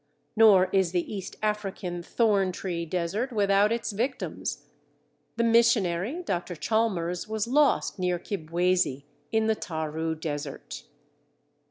Nor is the East African thorn tree desert without its victims. The missionary, Dr. Chalmers, was lost near Kibwezi in the Taru Desert.